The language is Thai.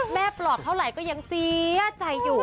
ปลอบเท่าไหร่ก็ยังเสียใจอยู่